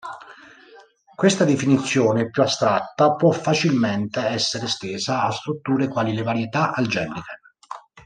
Questa definizione più astratta può facilmente essere estesa a strutture quali le varietà algebriche.